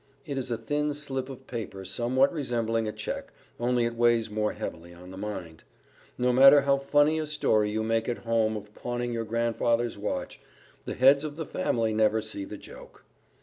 It is a thin slip of paper somewhat resembling a check; only it weighs more heavily on the mind. No matter how funny a story you make at home of pawning your Grandfather's watch, the heads of the family never see the joke.